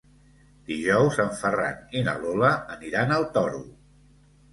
Dijous en Ferran i na Lola aniran al Toro.